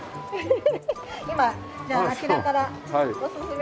今じゃああちらからおすすめの。